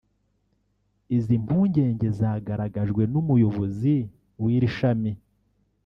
Izi mpungenge zagaragajwe n’Umuyobozi w’iri shami